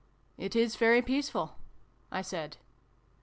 " It is very peaceful," I said.